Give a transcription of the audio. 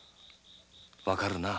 わかるな？